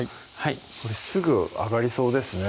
これすぐ揚がりそうですね